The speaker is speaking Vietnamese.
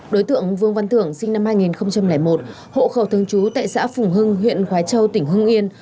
đối tượng vương văn thưởng sinh năm hai nghìn một hộ khẩu thương chú tại xã phùng hưng huyện khói châu tỉnh hưng yên